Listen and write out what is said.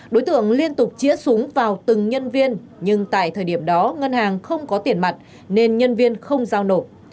đối tượng liên tục chĩa súng vào từng nhân viên nhưng tại thời điểm đó ngân hàng không có tiền mặt nên nhân viên không giao nộp